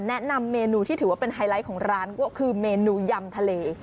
แนะนำเมนูที่ถือว่าเป็นไฮไลท์ของร้านก็คือเมนูยำทะเล